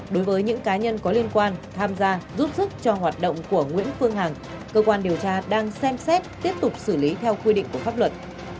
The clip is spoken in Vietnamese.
đối với những cá nhân có liên quan tham gia giúp sức cho hoạt động của nguyễn phương hằng cơ quan điều tra đang xem xét tiếp tục xử lý theo quy định của pháp luật